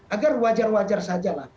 agar wajar wajar sajalah